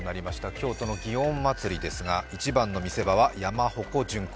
京都の祇園祭ですが一番の見せ場は山鉾巡行。